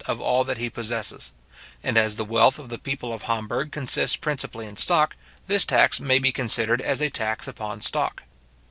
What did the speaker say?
of all that he possesses; and as the wealth of the people of Hamburg consists principally in stock, this tax maybe considered as a tax upon stock.